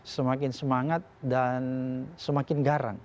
semakin semangat dan semakin garang